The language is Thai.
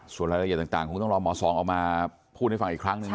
ส่วนรายละเอียดต่างคงต้องรอหมอสองออกมาพูดให้ฟังอีกครั้งหนึ่งนะ